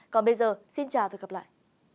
còn bây giờ xin chào và hẹn gặp lại